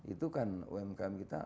itu kan umkm kita